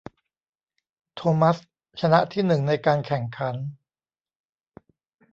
โทมัสชนะที่หนึ่งในการแข่งขัน